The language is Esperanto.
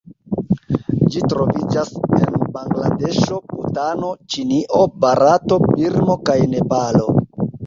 Ĝi troviĝas en Bangladeŝo, Butano, Ĉinio, Barato, Birmo kaj Nepalo.